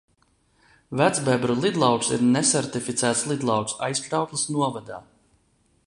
Vecbebru lidlauks ir nesertificēts lidlauks Aizkraukles novadā.